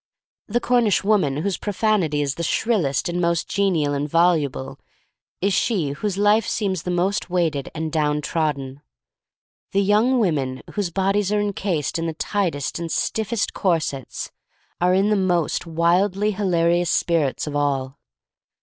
The Cornish woman whose profanity is the shrillest and most genial and voluble, is she whose life seems the most weighted and down trodden. The young women whose bodies are encased in the tightest and stiffest corsets are in the most wildly hilarious spirits of all.